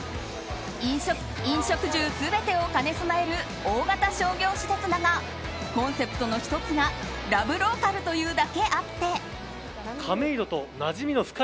衣食住全てを兼ね備える大型商業施設だがコンセプトの１つがＬＯＶＥＬＯＣＡＬというだけあって。